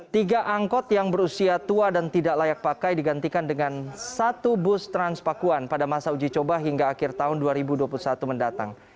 tiga angkot yang berusia tua dan tidak layak pakai digantikan dengan satu bus transpakuan pada masa uji coba hingga akhir tahun dua ribu dua puluh satu mendatang